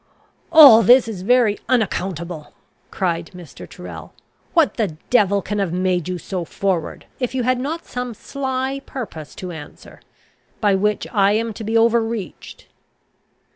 "All this is very unaccountable," cried Mr. Tyrrel. "What the devil can have made you so forward, if you had not some sly purpose to answer, by which I am to be overreached?"